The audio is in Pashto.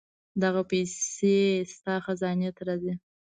دغه پېسې ستا خزانې ته راځي.